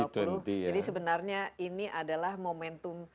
jadi sebenarnya ini adalah momentum